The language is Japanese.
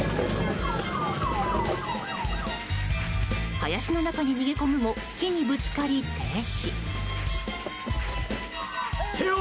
林の中に逃げ込むも木にぶつかり、停止。